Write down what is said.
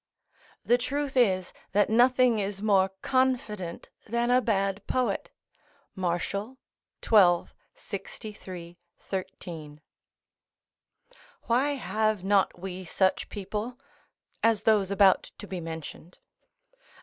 ["The truth is, that nothing is more confident than a bad poet." Martial, xii. 63, 13.] Why have not we such people? [As those about to be mentioned.